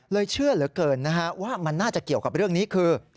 เชื่อเหลือเกินนะฮะว่ามันน่าจะเกี่ยวกับเรื่องนี้คือ